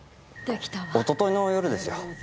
おとといの夜ですよ。